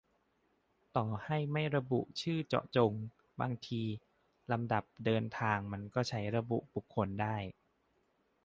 - ต่อให้ไม่ระบุชื่อเจาะจง บางทีลำดับเดินทางมันก็ใช้ระบุบุคคลได้